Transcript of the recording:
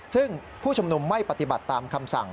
ซึ่งผู้ชุมนุมไม่ปฏิบัติตามคำสั่ง